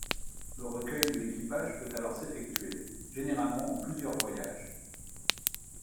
Le recueil de l'équipage peut alors s'effectuer, généralement en plusieurs voyages.